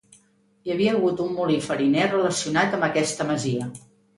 Hi havia hagut un molí fariner relacionat amb aquesta masia.